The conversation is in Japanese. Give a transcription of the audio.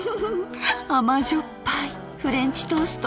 甘じょっぱいフレンチトースト。